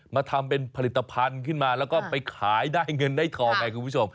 มาทำเป็นผลิตภัณฑ์ขึ้นมาแล้วก็ไปขายได้เงินได้ทองไงคุณผู้ชม